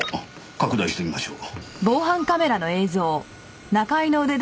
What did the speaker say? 拡大してみましょう。